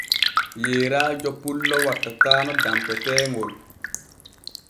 Yeerajo pullo wattatano danpeteeŋol.